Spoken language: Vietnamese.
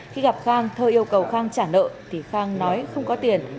khi gặp khang thơ yêu cầu khang trả nợ thì khang nói không có tiền